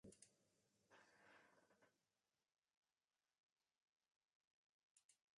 何故謝ったのかはわからなかった